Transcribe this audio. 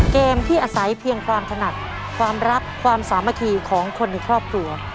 เกมที่อาศัยเพียงความถนัดความรักความสามัคคีของคนในครอบครัว